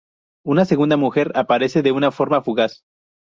Una segunda mujer aparece de una forma fugaz.